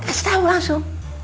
kasih tau langsung